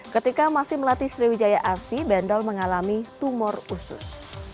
ketika masih melatih sriwijaya arsi bendol mengalami tumor usus